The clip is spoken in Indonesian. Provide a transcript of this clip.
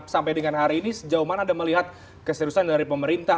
sampai dengan hari ini sejauh mana anda melihat keseriusan dari pemerintah